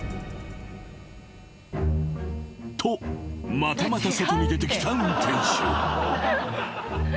［とまたまた外に出てきた運転手］